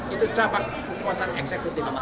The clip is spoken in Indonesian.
itu cabang kekuasaan eksekutif